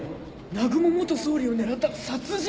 南雲元総理を狙った殺人？